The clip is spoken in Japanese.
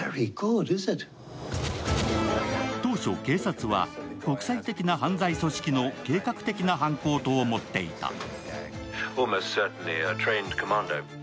当初、警察は国際的な犯罪組織な計画的な犯行と思っていた。